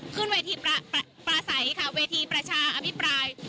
ขึ้นเวทีประสัยค่ะเวทีประชาอภิปราย